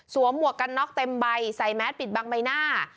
หมวกกันน็อกเต็มใบใส่แมสปิดบังใบหน้า